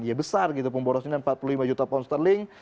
ya besar gitu pemborosan empat puluh lima juta pound sterling